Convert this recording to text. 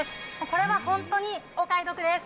これは本当にお買い得です。